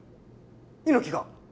猪木が？